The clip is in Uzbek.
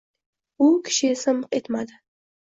U kishi esa miq etmadi